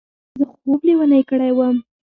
زه خوب لېونی کړی وم.